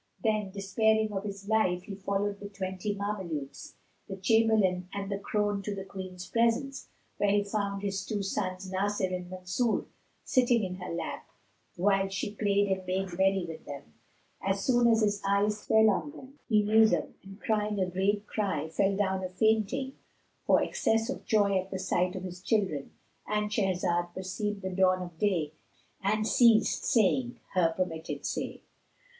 Then, despairing of his life, he followed the twenty Mamelukes, the Chamberlain and the crone to the Queen's presence, where he found his two sons Nasir and Mansur sitting in her lap, whilst she played and made merry with them. As soon as his eyes fell on them, he knew them and crying a great cry fell down a fainting for excess of joy at the sight of his children.—And Shahrazad perceived the dawn of day and ceased saying her permitted say.